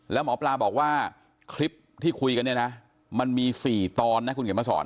แล้วหมอปลาบอกว่าคลิปที่คุยกันเนี่ยนะมันมี๔ตอนนะคุณเขียนมาสอน